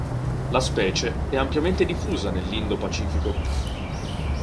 La specie è ampiamente diffusa nell'Indo-Pacifico.